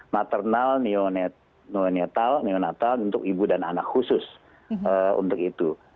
maternal neonetal neonatal untuk ibu dan anak khusus untuk itu